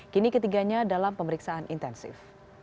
kini ketiganya dalam pemeriksaan intensif